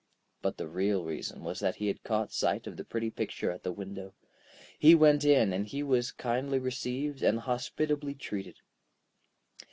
But the real reason was that he had caught sight of the pretty picture at the window. He went in, and he was kindly received and hospitably treated.